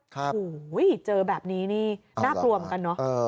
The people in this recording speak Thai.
ครับโหโอ้โหเจอแบบนี้นี่น่ากลัวเหมือนกันเนอะเอ้าเหรอ